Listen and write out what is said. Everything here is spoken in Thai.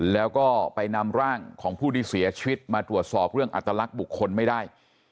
แล้วก็ไปนำร่างของผู้ที่เสียชีวิตมาตรวจสอบเรื่องอัตลักษณ์บุคคลไม่ได้